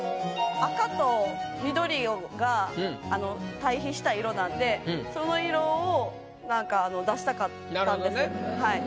赤と緑が対比した色なんでその色をなんか出したかったんですよ。